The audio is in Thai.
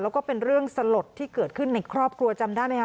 แล้วก็เป็นเรื่องสลดที่เกิดขึ้นในครอบครัวจำได้ไหมคะ